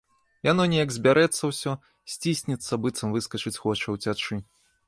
Яно неяк збярэцца ўсё, сціснецца, быццам выскачыць хоча, уцячы.